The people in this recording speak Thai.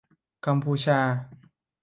กัมพูชา